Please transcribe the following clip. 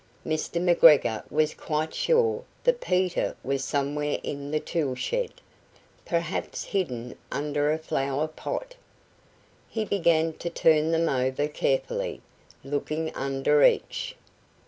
Mr. McGregor was quite sure that Peter was somewhere in the tool shed, perhaps hidden underneath a flower pot. He began to turn them over carefully, looking under each.